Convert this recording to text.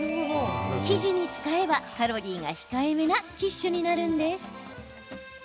生地に使えば、カロリーが控えめなキッシュになるんです。